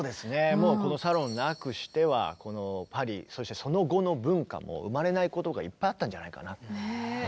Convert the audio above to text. もうこのサロンなくしてはこのパリそしてその後の文化も生まれないことがいっぱいあったんじゃないかな。